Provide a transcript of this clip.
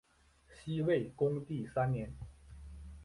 西魏恭帝三年。